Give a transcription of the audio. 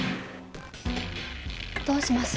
どうします？